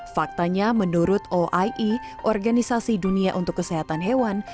faktanya menurut oie organisasi dunia untuk kesehatan hewan